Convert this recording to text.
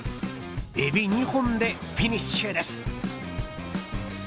エビ２本でフィニッシュです。